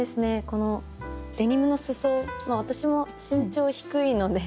このデニムの裾私も身長低いので。